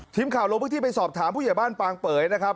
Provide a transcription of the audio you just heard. ทีมข่าวโลกพิธีไปสอบถามผู้เยี่ยมบ้านปางเป๋ยนะครับ